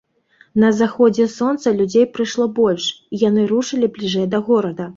На заходзе сонца людзей прыйшло больш, і яны рушылі бліжэй да горада.